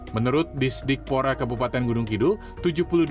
menurut disdikpora kabupaten gunung kidul